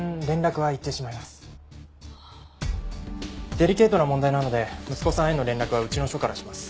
デリケートな問題なので息子さんへの連絡はうちの署からします。